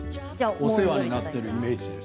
お世話になっているイメージです。